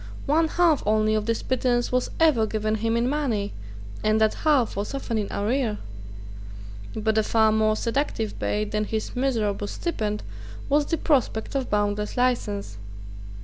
One half only of this pittance was ever given him in money; and that half was often in arrear. But a far more seductive bait than his miserable stipend was the prospect of boundless license.